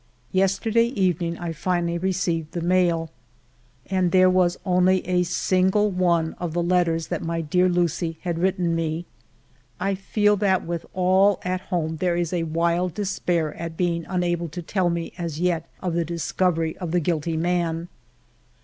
Yesterday evening I finally received the mail, and there was only a single one of the letters that my dear Lucie had written me. I feel that with all at home there is wild despair at being unable to tell me as yet of the discovery of the guilty man.